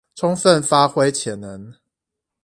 充分發揮潛能